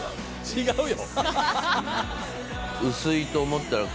違うよ！